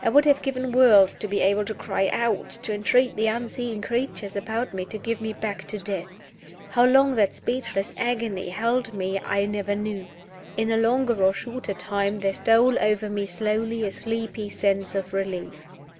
I would have given worlds to be able to cry out to entreat the unseen creatures about me to give me back to death. How long that speechless agony held me I never knew. In a longer or shorter time there stole over me slowly a sleepy sense of relief.